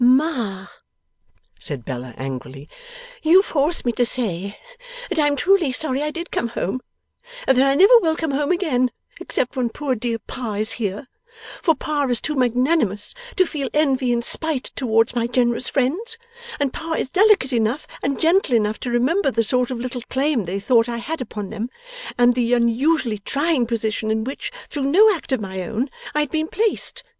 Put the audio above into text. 'Ma,' said Bella, angrily, 'you force me to say that I am truly sorry I did come home, and that I never will come home again, except when poor dear Pa is here. For, Pa is too magnanimous to feel envy and spite towards my generous friends, and Pa is delicate enough and gentle enough to remember the sort of little claim they thought I had upon them and the unusually trying position in which, through no act of my own, I had been placed.